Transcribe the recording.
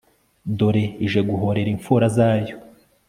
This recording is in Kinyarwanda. dore ije guhorera impfura zayo